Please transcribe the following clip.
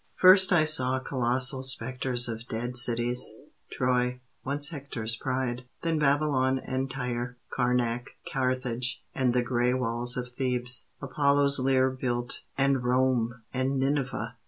First I saw colossal spectres Of dead cities: Troy once Hector's Pride; then Babylon and Tyre; Karnac, Carthage, and the gray Walls of Thebes, Apollo's lyre Built; and Rome and Nineveh.